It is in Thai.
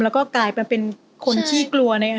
แล้วก็กลายเป็นคนที่กลัวในอนาคต